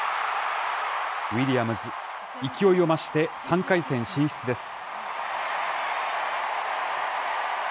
ウィリアムズ、勢いを増して３回戦進出です。